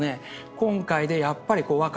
今回でやっぱり分かった。